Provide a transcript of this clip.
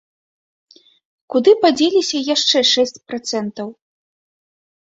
Куды падзеліся яшчэ шэсць працэнтаў?